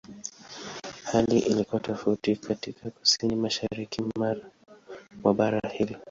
Hali ilikuwa tofauti katika Kusini-Mashariki mwa bara hilo.